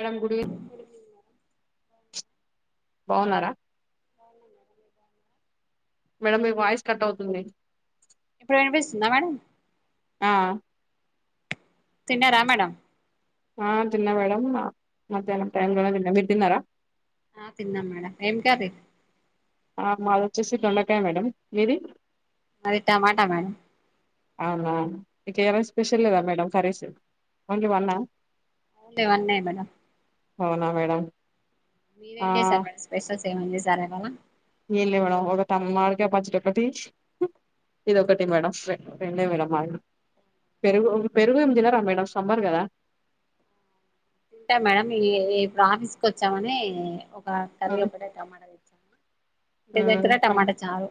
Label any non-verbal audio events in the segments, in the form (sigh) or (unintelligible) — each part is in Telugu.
ఎడం గుడి బావున్నారా బాగున్నం మేడం మీరు బాగున్నారా మేడం మీ వాయిస్ కట్ అవుతుంది. ఇప్పుడు వినిపిస్తుందా మేడం ఆ తిన్నారా మేడం ఆ తిన్నా మేడం మధ్యాహ్నం టైం లోనే తిన్నా మీరు తిన్నారా ఆ తిన్నాం మేడం ఏం కర్రి ఆ మాది వచ్చేసి దొండకాయ మేడం మీది మది టమాట మేడం ఇంక వేరే స్పెషల్ లేదా మేడం కర్రీస్ ఓన్లీ వన్న ఓన్లీ వన్నె మేడం అవునా మేడమ్ మీరు ఏం జేశారు స్పెషల్స్ ఏమన్న చేశారా ఇవ్వాళ ఏం లేదు మేడం ఒక ట మామిడి కాయ పచ్చడ ఒకటి ఇది ఒకటి మేడం రెండే మేడం మావి పెరుగు పెరుగు తినరా మేడం సమ్మర్ గాదా ఉంటా మేడం ఈ ఇప్పుడు ఆఫీస్కి ఓచ్చామని కర్రి ఉమ్, ఒకటె టమాటా తెచ్చాము ఇంటి ఉమ్, దగ్గర సమ్మర్. టమాటా చారూ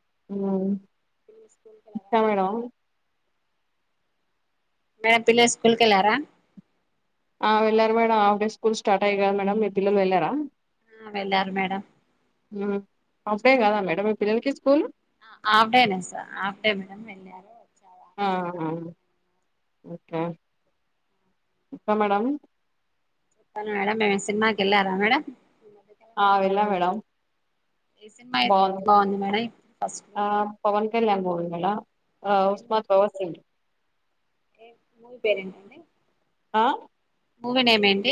హ్ అ స్కూల్ ప అారా మ మేడం పిల్లలు స్కూల్కి ఏళ్ళారా ఆ వెళ్ళరు madam half day school start అయ్యయి కద మేడమ్ మీ పిల్లలు వెళ్ళరా ఆ వెళ్ళారు మేడం అఫ్డే కదా మేడమ్ మీ పిల్లలకి స్కూల్ ఆఫ్ డే నే స ఆఫ్ డే మేడం వెళ్ళరూ వచ్చారు. ఆ! ఆ! ఓకే ఇంకా మేడంమ్ చెప్పండి మేడం మీర్ సినిమాకి వెళ్ళారా మేడం ఆ వెళ్ళా మేడం. ఏ సినిమా అయితే బావుంది. బాగుంది మేడం ఫస్ట్ పెళ్లాలుమొగుల్లద ఆ ఏం ఉస్మాద్ భగత్ సింగ్ ఏ మూవీ పేరంటడి. ఆ మూవీ నేమ్ ఏంటి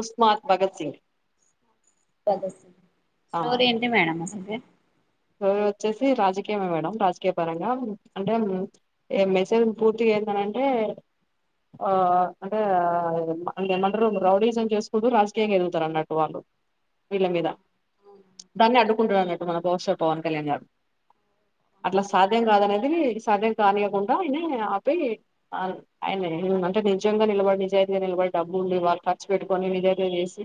ఉస్మాత్ భగత్ సింగ్ ఆ! స్టోరీ ఏంటి మేడంమ్ అసలు కి స్టోరీ వచ్చేసి రాజకీయమే మేడం రాజకీయ పరంగా అంటే ఏ మెసేజ్ పూర్తిగా ఏందనంటే ఆ అంటే అంటే ఏమంటరు రౌడీజం చేసుకుంటూ రాజకీయంగా ఎదుగుతారు అన్నట్టు వాళ్ళు వీళ్ళ మీద దాన్ని అడుకుంటడన్నట్టు మన భవిషత్ పవన్ కళ్యాణ్ గారు అట్లా సాధ్యం కాదనేది సాధ్యం కానియకుండా ఆయన ఆపి ఆయన అంటే నిజంగా నిలబడి నిజాయితీగా నిలబడి డబ్బు ఉండి వాళ్ళు ఖర్చు పెట్టుకొని నిజాయితీ చేసి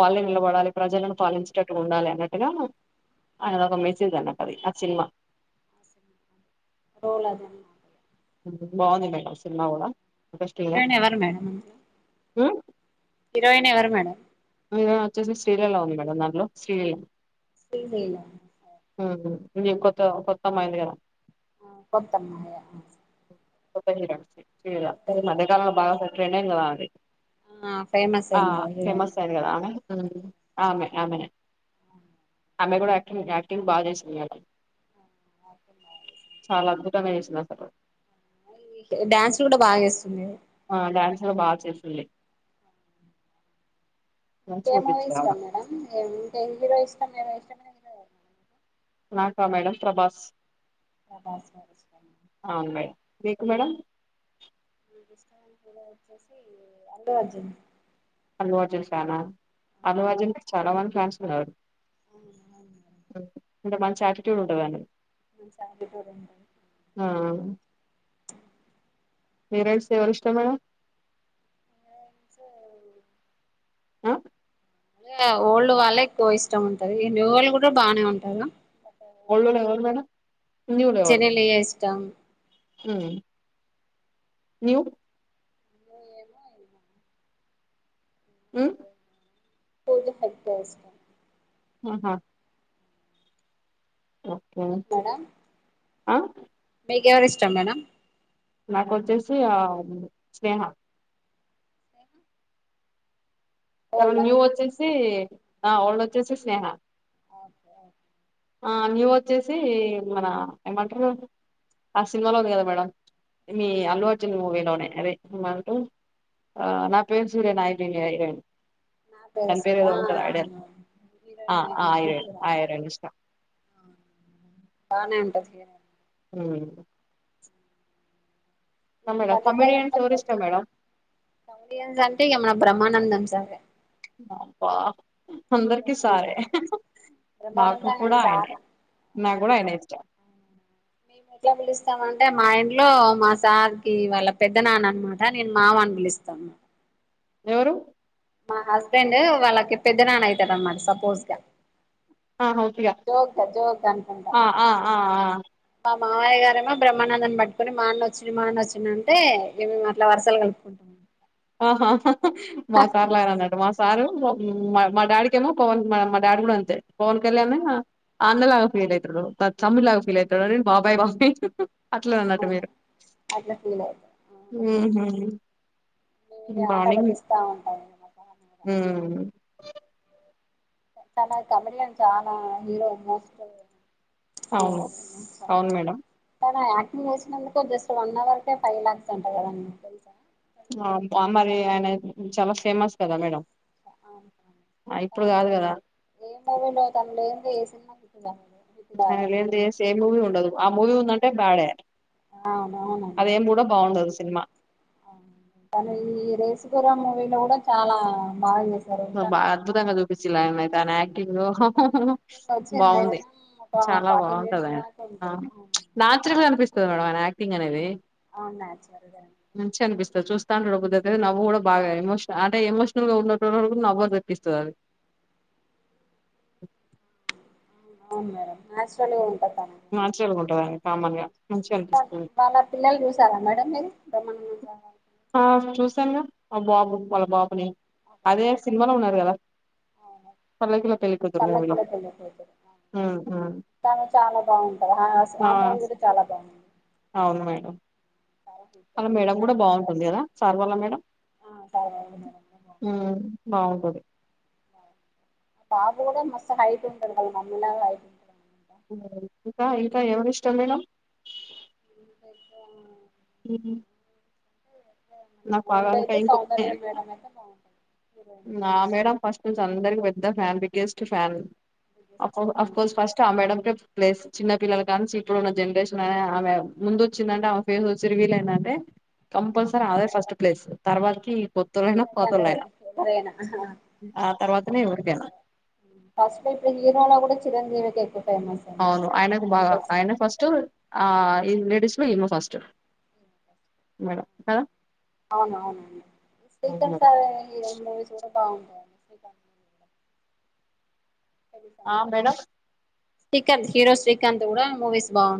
వాళ్ళే నిలబడాలి ప్రజలను పాలించేటట్టుగా ఉండాలి అన్నట్టుగా ఆయన మెసేజ్ అన్నట్టు అది ఆ సినిమా రోల్ అదినట్టు బాగుంది మేడం సినిమా కూడా ఇంట్రెస్టింగ్ గా హీరోయిన్ ఎవరు మేడం హీరోయిన్ ఎవరు మేడం. అందులో వచ్చేసి శ్రీలీలా ఉంది మేడం దాంట్లో శ్రీలీలా శ్రీలీలా ఉంది కొత్త కొత్త అమ్మాయి ఉందిగా కొత్తామ్మాయ కొత్త హీరోయిన్ శ్రీలీలా ఈ మధ్య కాలంలో బాగా ఫేమస్ రెండన్లవావి ఆ ఫేమస్ అయింద అదే అదే ఫేమస్ అయింది కదా ఆమె ఆమెనే ఆమెకూడా ఆక్టింగ్ యాక్టింగ్ బాగా చేసింది. ఈయల (inaudible) (unintelligible) డ్యాన్స్ కూడా బాగా చేస్తుంది గద డ్యాన్స్ కూడా బాగా చేస్తుంది. ఇంకే మూవీస్ (inaudible) ఇ నాక మేడం ప్రభాస్ ప్రభాస్ అవును అంటే మేడం మీకు మేడం నిక వచ్చేసి అంద వజంది అల్లు అర్జున్ ఫ్యానా అల్లు అర్జన్ చాలా మం మంచి తాట్ ఉ చాటిట్యూడ్ ఉండదదు ఈ సంటి మీరర్స్ ఎవరు ఇష్ట మేడం హీరోయిన్స్ అ లేఓల్డ్ వాళ్ళే ఎక్కువ ఇష్టం ఉంటది ఈ న్యూ వాళ్ళు కూడా బానే ఉంటారు (inaudible) మేడం జనలియ ఇష్టం హు న్యూ మ్ పోజ (unintelligible) ఇష్టం ఆహ మేడం ఆ మీకెవరు ఇష్టం మేడం నా కొచ్చేసి ఆ స్నేహ స ఎర న్యూ వచ్చేసి ఆ ఒళ్ళొచ్చేసె స్నేహ ఓకె ఓకె అ న్యూ వచ్చేసి మన ఏమంటరు ఆ సినిమాలో ఉంది కదా మేడమ్ మీ అల్లు అర్చున్ మూవీలోనే అదే ఏ మంటూ నా పేరు సూర్య నాయునియ హీరోన్ నా పేరు తన్పేరు సుధా ఏదో ఉంది కద ఐడయ్ ఆర ఏం ఇష్టం రా నంటె ఉమ్ ఇష్టం ఈ మేడం బథకం కమెడియన్స్ ఎవరు ఇష్టం మేడం కమీడియన్స్ అంటే ఏమన్నా బ్రహ్మానందం గంతె అబ్బా అందరికి సారే నాకు బ్రహ్మానందం కూడ ఆయనే సారు నా కూడ ఆయనే ఇష్టం అంటే మా ఇంట్లో మా సార్ కి వాళ్ళ పెద్ద నాన్న అనమాట నేను మామ అని పిలుస్తాను ఎవరు మా హస్బెండ్ డు వాళ్ళకి పెద్ద నాన్న అయి తాడు అన్నమాట సపోజ్ గా అ హౌపిగ జోక్ గా జోక్ గా అ అ అ అ మావయ్య గారేమో బ్రహ్మానందన్ని పట్కొని మా అన్న వచ్చిన మా అన్న వచ్చింది అంటే మేము అట్ల వర్సలు కలుపుకుంటాము ఆహా మాసార్ లాగానే అన్నట్టు మాసా సారు మ మా డాడీకేమో పవన్ మా డాడీ కూడా అంతే పవన్ కళ్యాణ్ ని అన్న లాగా ఫీల్ అయితాడు త తమ్ముడులాగా ఫీల్ అయితాడు బాబాయి బాబాయి అట్ల అన్నట్టు మీరు అట్లా ఫీల్ అయితది ఉమ్ హూ మేము ఇగ ఇ ఆట మార్నింగ్ పట్టిస్తా ఉంటాం ఇగ మా సార్ని కూడా ఉమ్ చాన కమెడిన్ చానా హీరో మస్త్ (unintelligible) అవును. అవును మేడం. మూవీ సేసినందుకు జస్ట్ వన్ అవర్కే ఫైవ్ ల్యాక్స్ అంటా కదాండి తెలుసా వామో ఆ మరి ఆయన చాలా ఫేమస్ కదా మేడం ఆ! ఇప్పుడు తను గాదు గదా! ఏ మూవీలో తను లేంది సినిమా హిట్టు కావాలే ఆయన లేంది ఏ సే మూవీ ఉండదు ఆ మూవీ ఉందంటే బ్యాడే అవునవునండి అదేం కూడా బాగుండదు సినిమా తను ఈ రేసుగుర్రం మూవీలో కూడా చాలా బాగా చేస్ బా అద్భుతంగా చూపిస్ చ్చిలు ఆయనను అయితే ఆయన యాక్ టింగ్ కానీ యాక్టింగ్ వచ్చి ఏమైనా బాగుంది ఒక చాలా ఫార్టీ బాగుంటది మినిట్స్ ఆయన దాకా ఉంటది న్యాచురల్ గా అనిపిస్ తది మేడం ఆయన యాక్టింగ్ అనేది అవును న్యాచురల్ గా మంచి అనిపిస్తది చూస్తాంటే చూడ బుద్ధి అయితది నవ్వు కూడా బాగా ఎమోషన అంట ఎమోషనల్ గా ఉన్నో లకు కూడ నవ్వ తెప్పిస్తది అది అవును అవును మేడమ్ న్యాచురల్గా ఉంటది తన టది ఆయనది కామన్గా (inaudible) వాళ్ళ పిల్లలు చూసారా మేడం మీరు బ్రహ్మానందం గా ఆ చూసాను గా ఆ బాబు వాళ్ళ బాబుని అదే సినిమాలో ఉన్నారు కదా అవును పల్లకిలో ఉమ్ పెళ్లికూతురు మూవీలో పల్లకిలో పెళ్లికూతురు అవును ఉమ్ ఉమ్ తను చాలా బాగుంటది ఆ మూవీలో చాలా బాగుం అ వాళ్ల మేడం కూడా బాగుంటుంది కదా సార్వాల మేడం ఆ చాలా బాగుంది మేడం ఉమ్ బాగుంటది ఆ బాబు కూడా మస్త్ హైట్ ఉంటడు వాళ్ల మమ్మీలాగా హైట్ అనమాట. (unintelligible) ఇంకా ఎవరి ఇష్టం మేడం (inaudible) ఉం నా పగా ఓల్డ్ అయితే సౌందర్య (unintelligible) మేడం అయితే బాగుంటది హీరోయిన్ నా మేడం ఫస్ట్ అందరికి పెద్ద ఫ్యామిలీ స్ట్ ఫ్యామిలీ ఆఫ్కోస్ ఫస్ట్ ఆ మేడం కే ప్లేస్ చిన్న పిల్లలు కాంనీంచి ఇప్పుడున్న జనరేషన్ ఆమె ముందు వచ్చిందంటే ఆమె ఫేస్ ఒకసారి రివీల్ అయిందంటే కంపల్స రామేదే ఫస్ట్ ప్లేస్ తర్వాతకి కొత్తోళ్ళైనా పాతోళ్ళైనా ఆ తర్వాతనే ఎవరికైనా ఫస్ట్ ఇప్పుడు హీరోలో కూడా చిరంజీవికి ఎక్కు అవును ఆయనకు బాగా ఆయన ఫస్ట్ ఆ ఇ లేడీస్ లో ఇమే ఫస్ట్ మేడం కా అవున అవును అవునుశ్రీకాంత్ మేడం. సార్ హీరో బాగుంటారు శ్రీకాంత్ ఆ madam Srikanth hero Srikanth కూడా మూవీస్ బాగు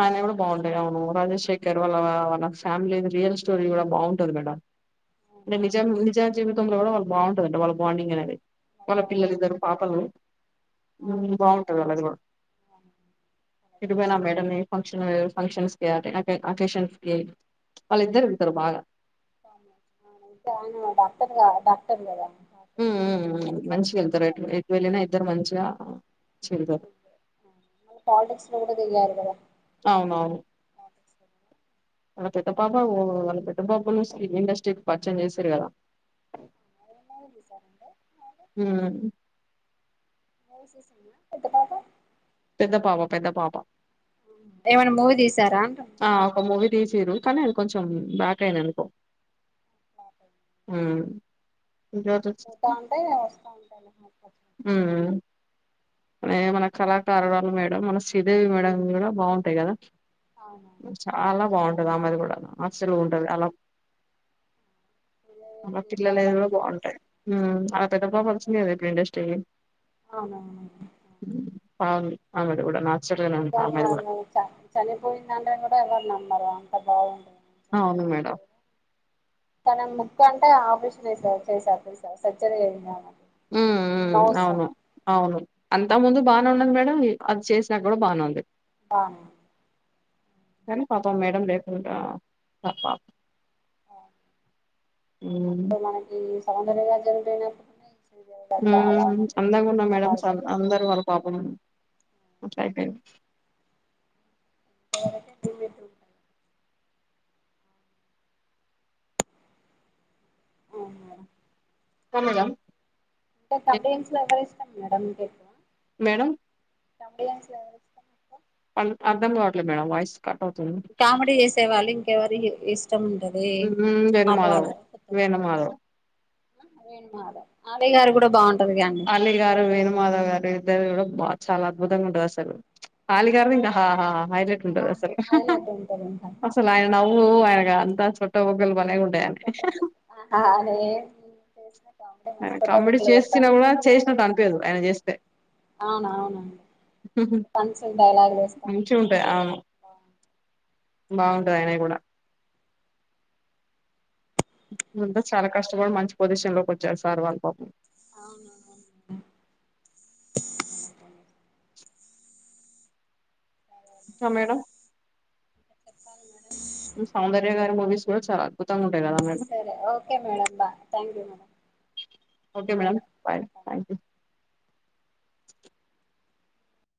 ఆయన కూడా బాగుంటయి అవును రామేష్ శేఖర్ వాళ్ళ వా ఫ్యామిలీ రియల్ స్టోరీ కూడా బాగుంటంది మేడం అంటే అవునవును నిజం నిజా జీవితంలో గుడా వాళ్ళ బాగుంటదండి వాళ్ళ బండింగ్ అనేది చాలా మళ్న బాగుంది పిల్లలు ఇద్దరు పాపలు అవునండి బాగుంటది అలాది కూ అవునండి చాలా తిరుమల మేడం ని ఫంక్షన్ ఫంక్షన్స్ అకేషన్స్ కి వాళ్ళిద్దరు ఎల్తారు బాగా డాక్టర్గా డాక్టర్ కదా ఉం ఉం మంచిగా వెళ్తారు ఎటు వెళ్లిన ఇ ద్దరు మంచిగా వెళ్తారు పాలిటిక్స్ లో కుడా దిగారుగా అవునవును వాళ్ళ పెద్ద పాప వాళ్ళ పెద్ద పాపలు ఫిల్మ్ ఇండస్ట్రీకి పరిచయం చేశారు కదా ఉమ్ (inaudible) పెద్ద పాపా పెద్ద పాప పెద్ద పాప ఏమన మూవి తీస్ ఆ ఒక మూవీ తీసీరు కానీ అది కొంచెం బాక్ అయిన ఎనుకో ఉం పోతా ఉంటే వస్తా ఉంటాయి మ మన కళాకారు వాళ్ళు మేడం మన శ్రీదేవి మేడం కూడా బాగుంటాయి కదా అవునా చాలా బాగుంటది ఆమెది కూడా అస్సలు ఉంటది సూర్యగారు అలా అల్లా పిల్లల చాలా ఏది కూడా ఫేమస్ బాగుంటాయి అలా పెద్ద మీకు పపావసింది కదా ఇప్పుడు ఇండస్ట్రేకి (inaudible) అవునవును అవును. బావుంది ఆమెది కూడా నాచురల్ గానే ఉంది ఆమెది కూడా అసలు చనిపోయిందంటే కూడా ఎవరునిమ్మరు అంత బాగుండది అవును మేడం తన ముక్క్క అంటే ఆపరేషన్ చేసారు చేసారుసారు సర్జరీ చేసారు ఉ ఉ అవును అవును అంత ముందు బానే ఉండది మేడం అది చేసినా కూడా బానేవంది బన్ సరే పాపం మేడం లేకుంట పాపా ఉమ్, అప్పుడు మనకి సౌందర్యగారు జరిగిపొయినప్పుడు ఉ అందంగా ఉన్నా మేడం బాధపడ్డారు అందరూ వాళ్ళు పాపం అట్లా అయిపొయింది (inaudible) ఆ కనీదం అంటే తమ్ేమ్స్ లో ఎవరై మేడం దే మేడం తంబి్మ్స్ అర్ధం గవడ్లే మేడంమ్ వయిస్ కామెడిీ ఎసే వాళ్ళు ఇంకవరి వెను మాధవ్ వెను మాధవ్ రేణు మాధవ్ ఆలయ్య గారు కూడా బాగుంట అలిగారు వేణమాద గారు ఇద్దరు బా చాలా అద్భుతంగా ఉంటది అసలు అవును అలీగారు ఇంకా హైలైట్ ఉంటది అసలు హైలైట్ ఉంటది ఇంకా అసలు ఆయన నవ్వు ఆయన అంత చుట్టబుగ్గలు బలే ఉంటు ట సొట్ట బుక్లు సిన కూడా చేసినట్టు అనిపదు ఆయన చేస్తే స అవునవునండి పంచల్ డైలాగు్లు వేస్తా మంచిగా ఉంటారు ఉంటాయి అవును బాగుంటది ఆయ్ న కూడా అంతా చాలా కష్టపడి మంచి పొజిషన్ లోకి వచ్చారు సార్ వాళ్ళపా పం అవును క మేడం చెప్పాల మేడం సౌందర్య గారి మూవీస్ కూడా చాలా అద్భుతంగా ఉన్ సరే ఓకే మేడం బా thank you okay madam madam bye thank you